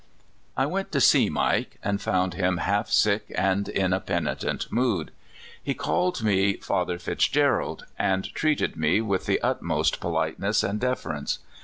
I went to see Mike, and found him half sick and in a penitent mood. He called me " Father Fitz gerald," and treated me with the utmost polite ness and deference.